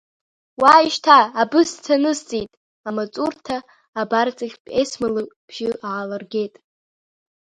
Уааи, шьҭа абысҭа анысҵеит, амаҵурҭа абарҵахьтә Есма лбжьы аалыргеит.